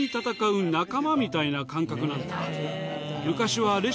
みたいな感覚なんだ。